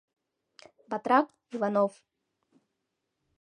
Батрак — Иванов.